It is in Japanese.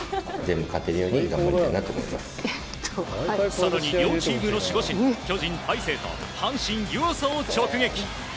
更に、両チームの守護神巨人の大勢と阪神、湯浅を直撃。